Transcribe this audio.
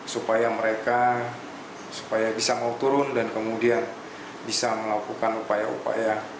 supaya mereka supaya bisa mau turun dan kemudian bisa melakukan upaya upaya